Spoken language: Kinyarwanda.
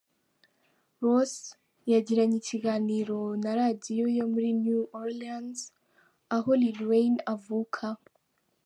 Ross yagiranye ikiganiro na Radio yo muri New Olreans, aho Lil wayne avuka,.